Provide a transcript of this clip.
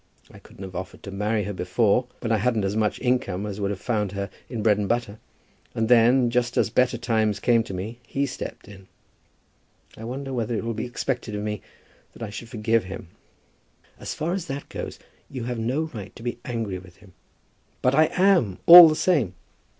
I couldn't have offered to marry her before, when I hadn't as much income as would have found her in bread and butter. And then, just as better times came to me, he stepped in! I wonder whether it will be expected of me that I should forgive him?" "As far as that goes, you have no right to be angry with him." "But I am, all the same."